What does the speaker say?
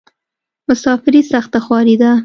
مسافري سخته خواری ده.